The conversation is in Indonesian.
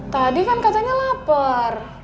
tadi kan katanya lapar